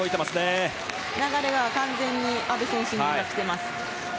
流れは完全に阿部選手に来てます。